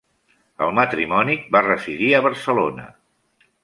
El matrimoni va residir a Barcelona.